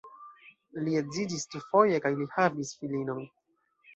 Li edziĝis dufoje kaj li havis filinon.